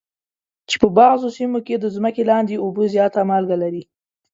چې په بعضو سیمو کې د ځمکې لاندې اوبه زیاته مالګه لري.